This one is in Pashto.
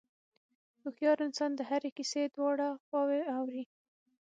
هوښیار انسان د هرې کیسې دواړه خواوې اوري.